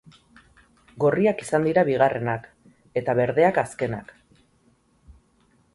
Gorriak izan dira bigarrenak, eta berdeak, azkenak.